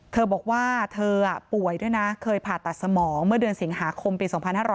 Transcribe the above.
เธอบอกว่าเธอป่วยด้วยนะเคยผ่าตัดสมองเมื่อเดือนสิงหาคมปี๒๕๕๙